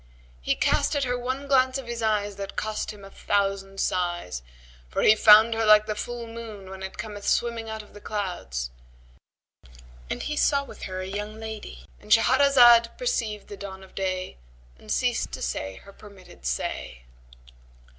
He cast at her one glance of eyes that cost him a thousand sighs, for he found her like the full moon when it cometh swimming out of the clouds; and he saw with her a young lady,—And Shahrazad perceived the dawn of day and ceased to say her permitted say.